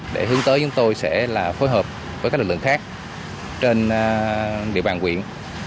để hướng tới chúng tôi sẽ phối hợp với các lực lượng khác trên địa bàn quyện